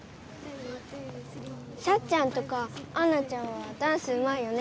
サッちゃんとかアンナちゃんはダンスうまいよね。